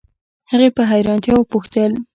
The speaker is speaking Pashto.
هغې په حیرانتیا وپوښتل